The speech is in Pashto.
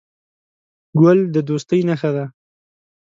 ګل د دوستۍ نښه ده.